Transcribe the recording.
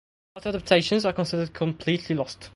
Both adaptations are considered completely lost.